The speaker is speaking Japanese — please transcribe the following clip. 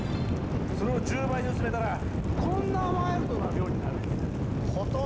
それを１０倍に薄めたらこんなワイルドな量になるんや。